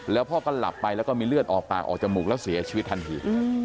แล้วพ่อก็หลับไปแล้วก็มีเลือดออกปากออกจมูกแล้วเสียชีวิตทันที